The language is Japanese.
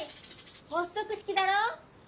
発足式だろ！